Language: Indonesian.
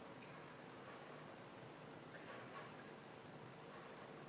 ini lebih sulit penyelesaiannya